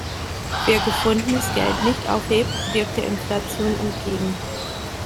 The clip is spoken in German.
Wer gefundenes Geld nicht aufhebt, wirkt der Inflation entgegen.